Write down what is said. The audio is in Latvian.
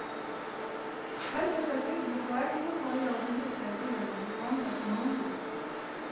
Aizvakar facebook laika joslā ieraudzīju iespēju pievienoties koncertam on-line.